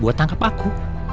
buat tangkep aku